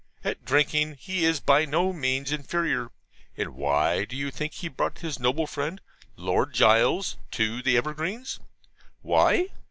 At drinking he is by no means inferior; and why do you think he brought his noble friend, Lord Gules, to the Evergreens? Why?